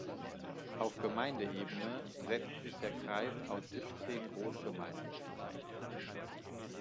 Auf Gemeindeebene setzt sich der Kreis aus siebzehn Großgemeinden zusammen.